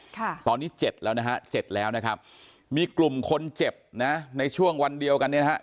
ตอนนี้เจ็บแล้วนะครับเจ็บแล้วนะครับมีกลุ่มคนเจ็บนะในช่วงวันเดียวกันนี้นะครับ